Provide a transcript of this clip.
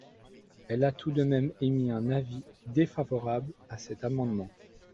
Elle a tout de même émis un avis – défavorable – à cet amendement.